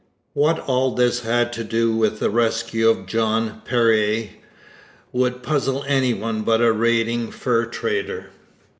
What all this had to do with the rescue of Jean Péré would puzzle any one but a raiding fur trader.